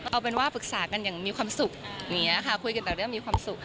เอาเป็นว่าปรึกษากันอย่างมีความสุขคุยกันแต่เรียกว่ามีความสุข